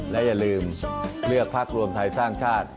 และอย่าลืมเลือกพักรวมไทยสร้างชาติ